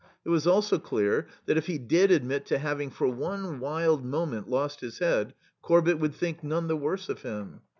It was also clear that, if he did admit to having for one wild moment lost his head, Corbett would think none the worse of him.